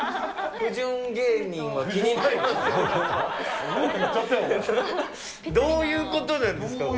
不純芸人は気になりますよね。